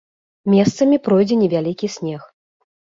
Месцамі пройдзе невялікі снег.